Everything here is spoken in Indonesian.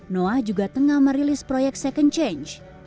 noah juga tengah merilis proyek second change